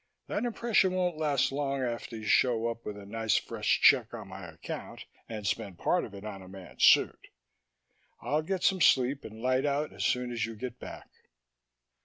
That impression won't last long after you show up with a nice fresh check on my account and spend part of it on a man's suit. I'll get some sleep and light out as soon as you get back."